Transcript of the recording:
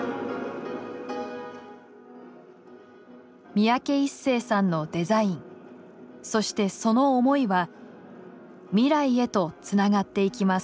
三宅一生さんのデザインそしてその思いは未来へとつながっていきます。